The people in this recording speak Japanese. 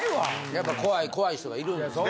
やっぱ怖い人がいるんですよ。